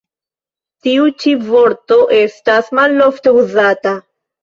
Tiu ĉi vorto estas malofte uzata.